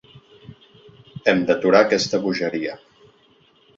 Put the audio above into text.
Hem d’aturar aquesta bogeria.